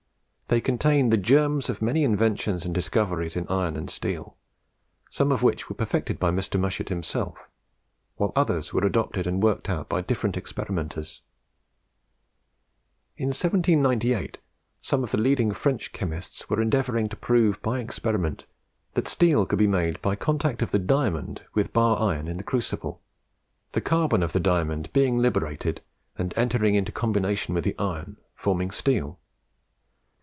They contain the germs of many inventions and discoveries in iron and steel, some of which were perfected by Mr. Mushet himself, while others were adopted and worked out by different experimenters. In 1798 some of the leading French chemists were endeavouring to prove by experiment that steel could be made by contact of the diamond with bar iron in the crucible, the carbon of the diamond being liberated and entering into combination with the iron, forming steel.